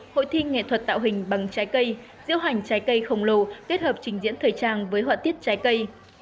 hội thi nghệ thuật tạo hình bằng trái cây diễu hành trái cây khổng lồ kết hợp trình diễn thời trang với họa tiết trái cây